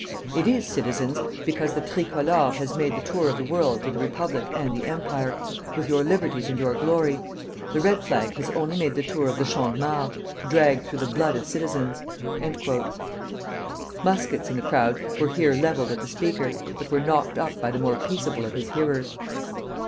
It is, citizens, because the tricolor has made the tour of the world with the Republic and the Empire, with your liberties and your glory; the red flag has only made the tour of the Champ de Mars, dragged through the blood of citizens." Muskets in the crowd were here levelled at the speaker, but were knocked up by the more peaceable of his hearers.